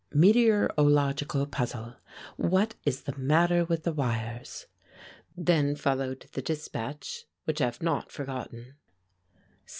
Meteorological puzzle. What is the matter with the wires?" Then followed the dispatch, which I have not forgotten: ST.